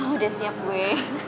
udah siap gue